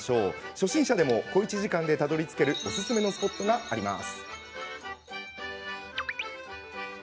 初心者でも小一時間でたどりつけるおすすめスポットがあるといいます。